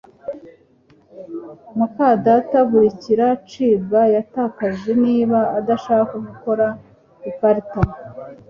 muka data buri kiracibwa yatakaje niba adashaka gukora ikarita